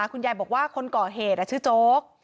คุณยายบอกว่าคนก่อเหตุชื่อโจ๊ก